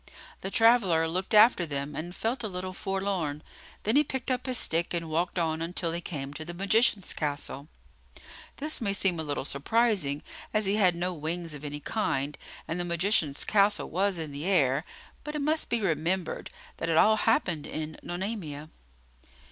The traveller looked after them and felt a little forlorn; then he picked up his stick and walked on until he came to the magician's castle. This may seem a little surprising, as he had no wings of any kind and the magician's castle was in the air; but it must be remembered that it all happened in Nonamia.